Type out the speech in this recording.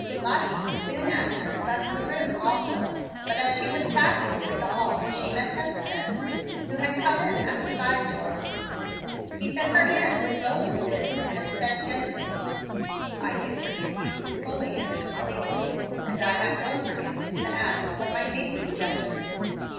Lottie, soon after, left the room also, but as she was passing through the hall she met Hemstead, who had come in at a side door. He took her hand in both of his, and said, gently, "I do forgive you, fully and completely, and I have your forgiveness to ask for my hasty judgment."